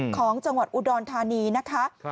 ของจังหวัดอุดรธานีนะคะ